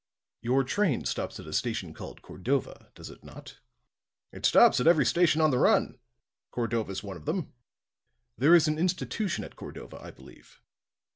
"Your train stops at a station called Cordova, does it not?" "It stops at every station on the run. Cordova's one of them." "There is an institution at Cordova, I believe?"